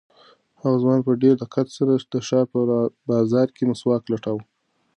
هغه ځوان په ډېر دقت سره د ښار په بازار کې مسواک لټاوه.